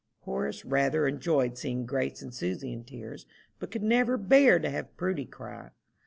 Horace rather enjoyed seeing Grace and Susy in tears, but could never bear to have Prudy cry.